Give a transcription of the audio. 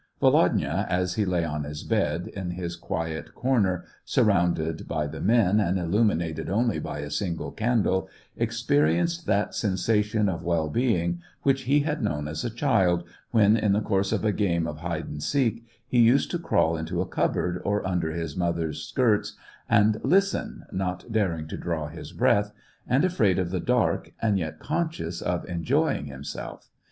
Volodya, as he lay on his bed, in his quiet cor ner, surrounded by the men, and illuminated only by a single candle, experienced that sensation of well being which he had known as a child, when, in the course of a game of hide and seek, he used 228 SEVASTOPOL IN AUGUST. to crawl into a cupboard or under his mother's skirts, and listen, not daring to draw his breath, and afraid of the dark, and yet conscious of en joying himself.